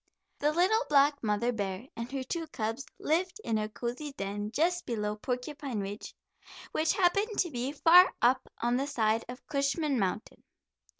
The little black mother bear and her two cubs lived in a cozy den just below Porcupine Ridge, which happened to be far up on the side of Cushman Mountain.